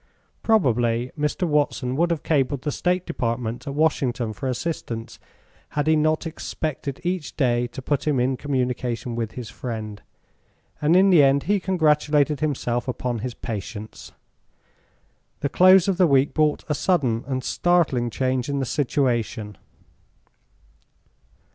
Probably Mr. Watson would have cabled the State Department at Washington for assistance had he not expected each day to put him in communication with his friend, and in the end he congratulated himself upon his patience. The close of the week brought a sudden and startling change in the situation.